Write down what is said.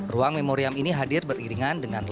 ruang memoriam ini hadir beriringan dengan